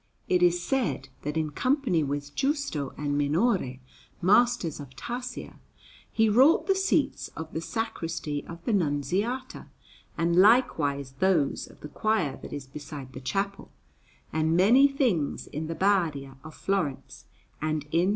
It is said that in company with Giusto and Minore, masters of tarsia, he wrought the seats of the Sacristy of the Nunziata, and likewise those of the choir that is beside the chapel, and many things in the Badia of Florence and in S.